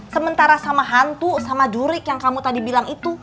sementara sama hantu sama durik yang kamu tadi bilang itu